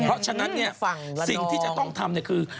เพราะฉะนั้นสิ่งที่จะต้องทำคือ